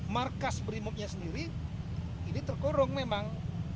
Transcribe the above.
markas rimobnya sendiri ini terkurung memang